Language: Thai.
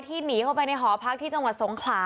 หนีเข้าไปในหอพักที่จังหวัดสงขลา